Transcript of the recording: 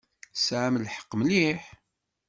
Tesɛam lḥeqq mliḥ.